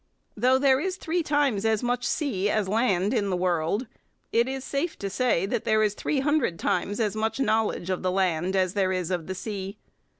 Though there is three times as much sea as land in the world, it is safe to say that there is three hundred times as much knowledge of the land as there is of the sea.